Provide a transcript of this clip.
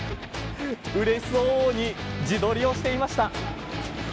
嬉しそうに自撮りをしていました。